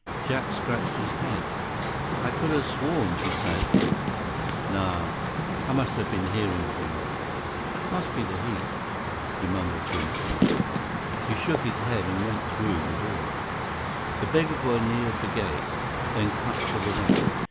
Jack scratched his head. "I could have sworn he said— Nah! I must have been hearing things. Must be the heat," he mumbled to himself. He shook his head and went through the door. The beggar boy neared the gate, then cut to the left.